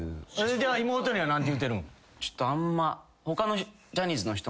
じゃあ妹には何て言うてるん？